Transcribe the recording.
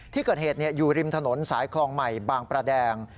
ที่เกิดเหตุอยู่ริมถนนสายคลองใหม่บางประแดง